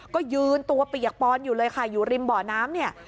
ก็ยืนตัวเปียกปอนอยู่เลยค่ะอยู่ริมบ่อน้ำเนี่ย